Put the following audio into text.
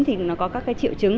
thì nó có các triệu chứng